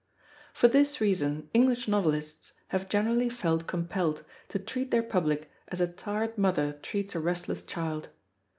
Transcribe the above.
For this reason, English novelists have generally felt compelled to treat their public as a tired mother treats a restless child.